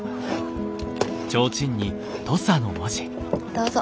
どうぞ。